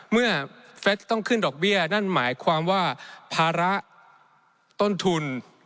เมื่อเฟสต้องขึ้นดอกเบี้ยนั่นหมายความว่าภาระต้นทุน